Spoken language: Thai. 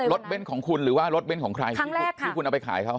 เบ้นของคุณหรือว่ารถเบ้นของใครที่คุณเอาไปขายเขา